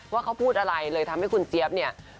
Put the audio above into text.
ว่าเขาพูดอะไรเลยทำให้คุณเจี๊ยบเนี่ย